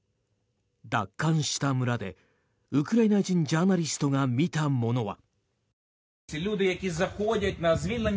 奪還した村でウクライナ人ジャーナリストが見たものは。